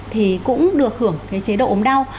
thì cũng được hưởng cái chế độ ốm đau